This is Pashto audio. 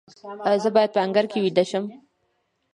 ایا زه باید په انګړ کې ویده شم؟